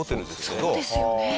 そうですよね。